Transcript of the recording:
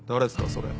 それ